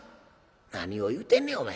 「何を言うてんねんお前。